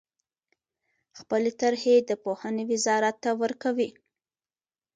خپلې طرحې د پوهنې وزارت ته ورکوي.